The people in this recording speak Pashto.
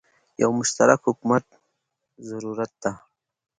یو مشترک حکومت زوروت ده